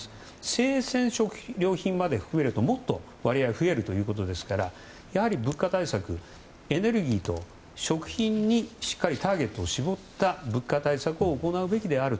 生鮮食料品まで含めるともっと割合が増えるということですからやはり物価対策エネルギーと食品にしっかりターゲットを絞った物価対策を行うべきである。